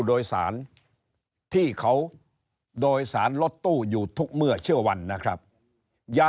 โดยสารที่เขาโดยสารรถตู้อยู่ทุกเมื่อเชื่อวันนะครับอย่า